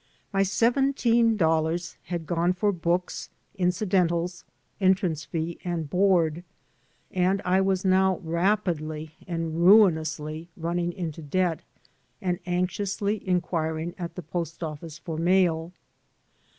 My seventeen dollars had gone for books, incidentals, 218 AN AMERICAN IN THE MAKING entrance fee, and board; and I was now rapidly and ruinously running into debt, and anxiously inquiring at the post office for mail.